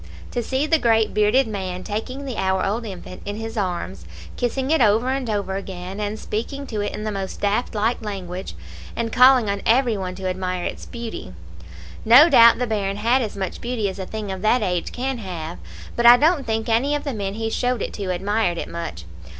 To see the great bearded man taking the hour old infant in his arms, kissing it over and over again, and speaking to it in the most daft like language, and calling on every one to admire its beauty! No doubt the bairn had as much beauty as a thing of that age can have, but I don't think any of the men he showed it to admired it much.